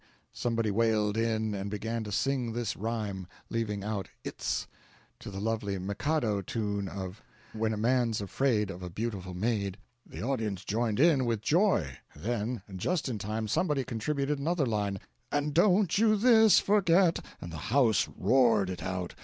Somebody wailed in, and began to sing this rhyme (leaving out "it's") to the lovely "Mikado" tune of "When a man's afraid of a beautiful maid;" the audience joined in, with joy; then, just in time, somebody contributed another line "And don't you this forget " The house roared it out.